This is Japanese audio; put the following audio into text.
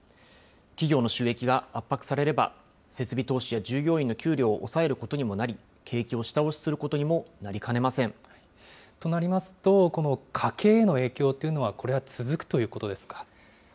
企業の収益が圧迫されれば、設備投資や従業員への給料を抑えることにもなり、景気を下押しすとなりますと、この家計への影響っていうのは、これは続くということですか。